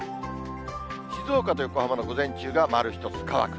静岡と横浜の午前中が丸１つ、乾く。